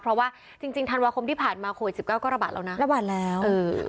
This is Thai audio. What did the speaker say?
เพราะว่าจริงธันวาคมที่ผ่านมาโควิด๑๙ก็ระบาดแล้วนะระบาดแล้ว